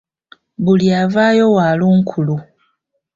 Buli avaayo wa lunkulu.